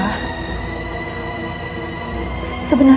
sejak dua puluh empat oktober sampai dengan dua puluh empat april